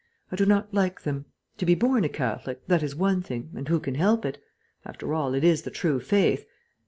"I do not like them. To be born a Catholic, that is one thing, and who can help it? After all, it is the true faith.